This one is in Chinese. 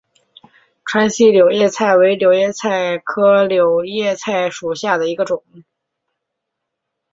川西柳叶菜为柳叶菜科柳叶菜属下的一个种。